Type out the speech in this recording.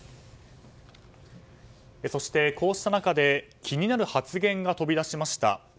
そして、こうした中で気になる発言が飛び出しました。